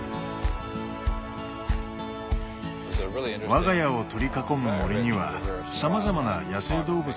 わが家を取り囲む森にはさまざまな野生動物がやってきます。